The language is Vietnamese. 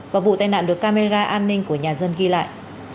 và vụ tai nạn được camera an ninh của nhà dân ghi lại